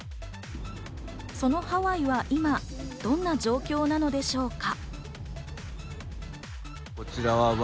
そのハワイは今、どんな状況なのでしょうか。